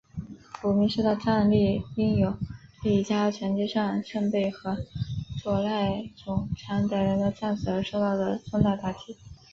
芦名氏的战力因有力家臣金上盛备和佐濑种常等人的战死而受到重大打击。